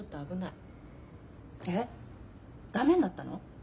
駄目になったの！？